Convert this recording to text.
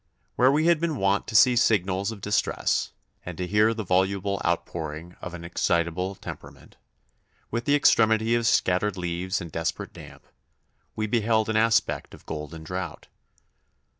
Where we had been wont to see signals of distress, and to hear the voluble outpouring of an excitable temperament, with the extremity of scattered leaves and desperate damp, we beheld an aspect of golden drought.